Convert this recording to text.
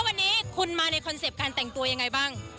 วันนี้คุณมาในคอนเซ็ปต์การแต่งตัวยังไงบ้าง